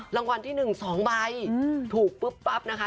รางวัลที่๑๒ใบถูกปุ๊บปั๊บนะคะ